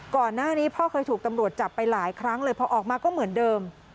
ก่อนหน้านี้พ่อเคยถูกตำรวจจับไปหลายครั้งเลยพอออกมาก็เหมือนเดิม